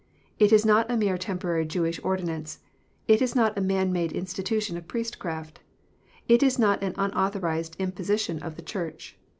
It is not a mere tem porary Jewish ordinance. It is not a man made institution of priestcraft. It is not an unauthorized imposition of the Church.